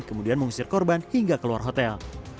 kemudian mengusir korban hingga keluar hotel